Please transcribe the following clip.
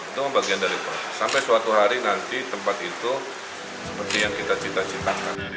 itu bagian dari proses sampai suatu hari nanti tempat itu seperti yang kita cita citakan